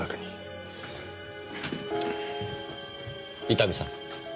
伊丹さん。